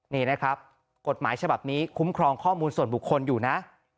นี่นะครับกฎหมายฉบับนี้คุ้มครองข้อมูลส่วนบุคคลอยู่นะ